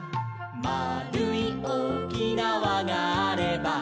「まあるいおおきなわがあれば」